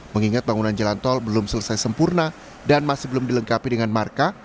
mengingat bangunan jalan tol belum selesai sempurna dan masih belum dilengkapi dengan marka